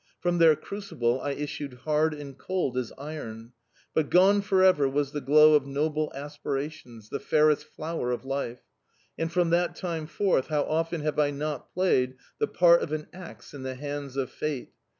From their crucible I issued hard and cold as iron, but gone for ever was the glow of noble aspirations the fairest flower of life. And, from that time forth, how often have I not played the part of an axe in the hands of fate!